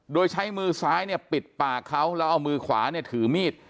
โดยใช้มือซ้ายเนี่ยปิดปากเขาแล้วเอามือขวาเนี่ยถือมีด